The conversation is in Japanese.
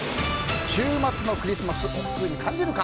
週末のクリスマスおっくうに感じるか。